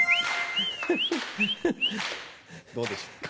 どうでしょうか。